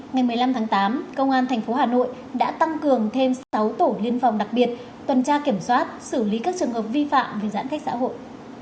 ngày một mươi năm tháng tám công an tp hà nội đã tăng cường thêm sáu tổ liên phòng đặc biệt tuần tra kiểm soát xử lý các trường hợp vi phạm về giãn cách xã hội